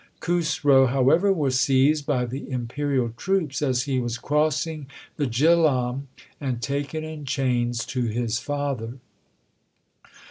Khusro, however, was seized by the imperial troops as he was crossing the Jihlam, and taken in chains to his father.